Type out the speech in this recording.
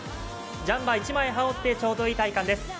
ジャンパー１枚羽織ってちょうどいい体感です。